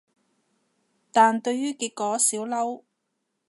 但對於結果少嬲